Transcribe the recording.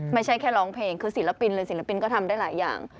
ไม่ใช่แค่ร้องเพลงคือศิลปินเลยศิลปินก็ทำได้หลายอย่าง